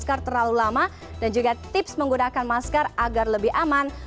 masker terlalu lama dan juga tips menggunakan masker agar lebih aman